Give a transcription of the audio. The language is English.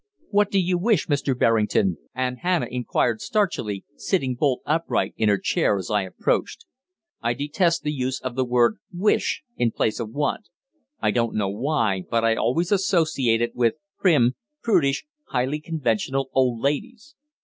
"What do you wish, Mr. Berrington?" Aunt Hannah inquired starchily, sitting bolt upright in her chair as I approached. I detest the use of the word "wish" in place of "want"; I don't know why, but I always associate it with prim, prudish, highly conventional old ladies.